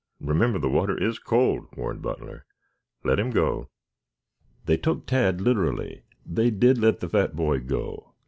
Remember the water is cold," warned Butler. "Let him go." They took Tad literally. They did let the fat boy go.